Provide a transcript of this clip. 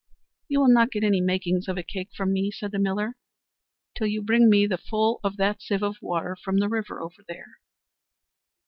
"You will not get any makings of a cake from me," said the miller, "till you bring me the full of that sieve of water from the river over there."